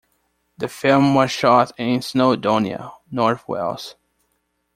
The film was shot in Snowdonia, North Wales.